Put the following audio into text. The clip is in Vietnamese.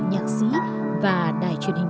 nhạc sĩ và đài truyền hình